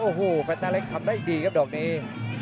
โอ้โหแฟนตาเล็กทำได้ดีครับดอกนี้